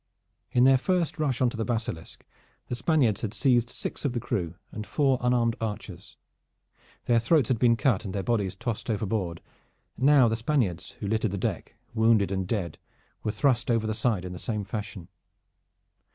In their first rush on to the Basilisk, the Spaniards had seized six of the crew and four unarmed archers. Their throats had been cut and their bodies tossed overboard. Now the Spaniards who littered the deck, wounded and dead, were thrust over the side in the same fashion.